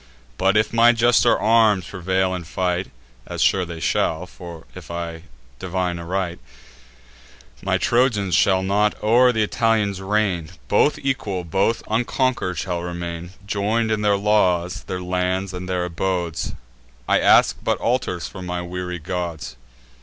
But, if my juster arms prevail in fight, (As sure they shall, if I divine aright,) My Trojans shall not o'er th' Italians reign: Both equal, both unconquer'd shall remain, Join'd in their laws, their lands, and their abodes; I ask but altars for my weary gods.